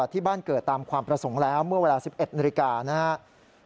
ที่บ้านเกิดตามความประสงค์แล้วเมื่อเวลา๑๑นาฬิกานะครับ